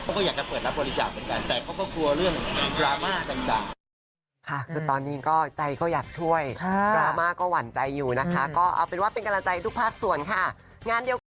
เขาก็อยากจะเปิดรับบริจาคเหมือนกันแต่เขาก็กลัวเรื่องดราม่าต่าง